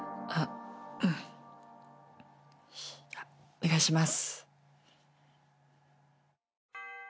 お願いします。